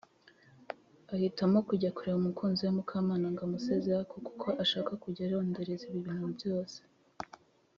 ahitamo kujya kureba umukunzi we Mukamana ngo amusezereho ariko kuko ashaka kujya arondereza ibintu byose